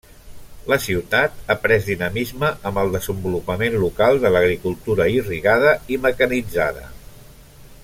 La ciutat ha pres dinamisme amb el desenvolupament local de l'agricultura irrigada i mecanitzada.